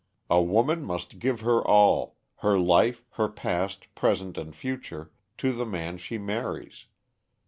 A woman must give her all her life, her past, present, and future to the man she marries.